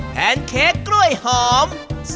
แนนเค้กกล้วยหอม